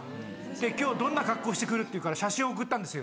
「今日どんな格好して来る？」って言うから写真送ったんですよ。